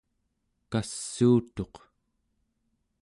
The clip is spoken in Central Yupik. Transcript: kassuutuq